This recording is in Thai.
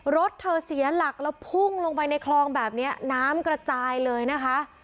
รถเธอเสียหลักแล้วพุ่งลงไปในคลองแบบนี้น้ำกระจายเลยนะคะ